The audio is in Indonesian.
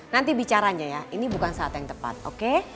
nanti bicaranya ya ini bukan saat yang tepat oke